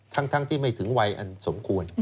ทั้งที่ไม่ถึงวัยอันสมควร